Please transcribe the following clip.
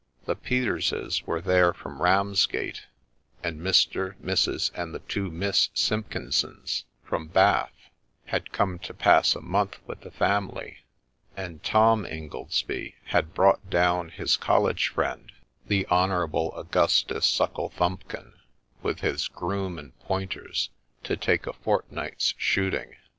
The Peterses were there from Ramsgate ; and Mr., Mrs., and the two Miss Simpkinsons, from Bath, had come to pass a month with the family ; and Tom Ingoldsby had brought down his college friend the Honourable Augustus Sucklethumbkin, with his groom and pointers, to take a fortnight's shooting.